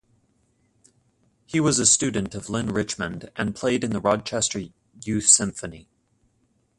He was a student of Lynn Richmond and played in the Rochester Youth Symphony.